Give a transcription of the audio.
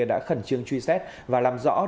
đã khẩn trương truy xét và làm rõ